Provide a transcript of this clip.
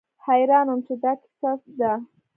حيران وم چې دا څه کيسه ده.